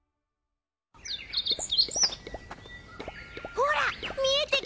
ほらみえてきたよ！